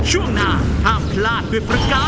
ช่วยฝังดินหรือกว่า